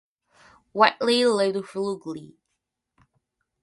Whiteley lived frugally.